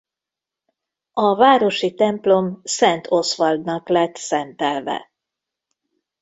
A városi templom Szent Oswald-nak lett szentelve.